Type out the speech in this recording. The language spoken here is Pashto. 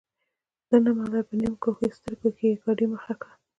ده نه منله په نیم کښو سترګو یې ګاډۍ مخ کړه.